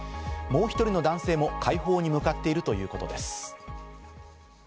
もう１人の男性も快方に向かっているということです。